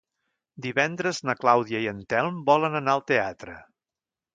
Divendres na Clàudia i en Telm volen anar al teatre.